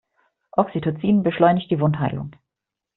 Oxytocin beschleunigt die Wundheilung.